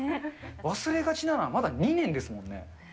忘れがちなのはまだ２年ですもんね。